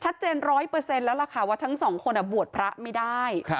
ร้อยเปอร์เซ็นต์แล้วล่ะค่ะว่าทั้งสองคนบวชพระไม่ได้